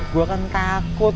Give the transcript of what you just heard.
gue kan takut